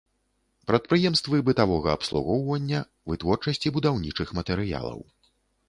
Прадпрыемствы бытавога абслугоўвання, вытворчасці будаўнічых матэрыялаў.